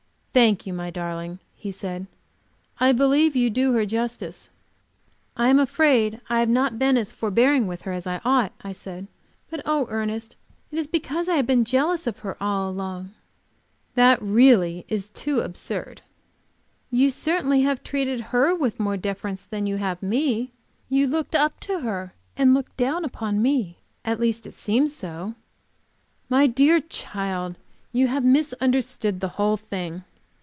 "Thank you, my darling," he said, "I believe you do her justice." "I am afraid I have not been as forbearing with her as I ought," I said. "But, oh, Ernest, it is because I have been jealous of her all along!" "That is really too absurd." "You certainly have treated her with more deference than you have me. You looked up to her and looked down upon me. At least it seemed so." "My dear child, you have misunderstood the whole thing.